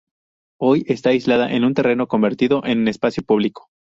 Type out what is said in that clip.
Hoy está aislada en un terreno, convertido en espacio público.